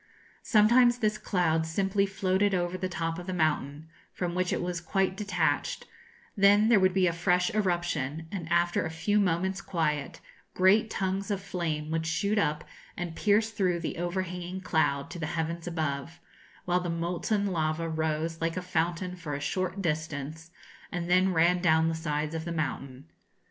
Sometimes this cloud simply floated over the top of the mountain, from which it was quite detached; then there would be a fresh eruption; and after a few moments' quiet, great tongues of flame would shoot up and pierce through the overhanging cloud to the heavens above, while the molten lava rose like a fountain for a short distance, and then ran down the sides of the mountain.